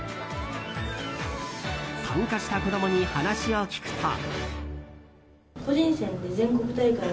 参加した子供に話を聞くと。